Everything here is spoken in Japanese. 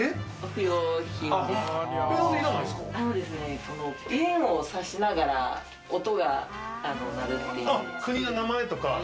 ペンをさしながら音が鳴るっていう。